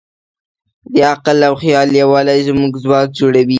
د عقل او خیال یووالی زموږ ځواک جوړوي.